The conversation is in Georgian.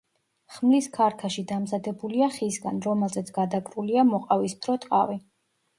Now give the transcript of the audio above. ხმლის ქარქაში დამზადებულია ხისგან, რომელზეც გადაკრულია მოყავისფრო ტყავი.